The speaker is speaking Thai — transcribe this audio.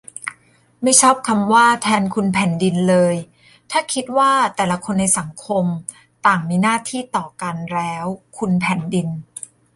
ไม่ชอบคำว่า 'แทนคุณแผ่นดิน' เลย ถ้าคิดว่าแต่ละคนในสังคมต่างมีหน้าที่ต่อกัน แล้ว 'คุณแผ่นดิน'